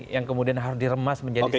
yang kemudian harus diremas menjadi satu